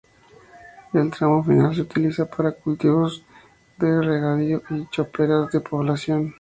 El tramo final se utiliza para cultivos de regadío y choperas de repoblación.